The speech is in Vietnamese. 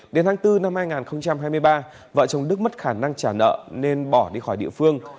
đến tháng bốn năm hai nghìn hai mươi ba vợ chồng đức mất khả năng trả nợ nên bỏ đi khỏi địa phương